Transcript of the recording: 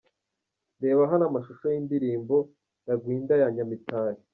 Reba hano amashusho y'Indirimbo 'Rangwida' ya Nyamitali.